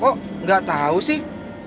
kok nggak tahu sih